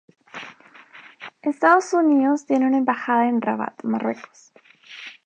Estados Unidos tiene una embajada en Rabat, Marruecos.